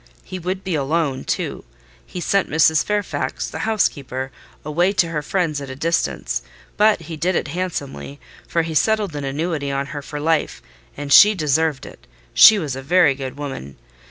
He would be alone, too. He sent Mrs. Fairfax, the housekeeper, away to her friends at a distance; but he did it handsomely, for he settled an annuity on her for life: and she deserved it—she was a very good woman.